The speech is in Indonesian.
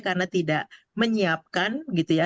karena tidak menyiapkan gitu ya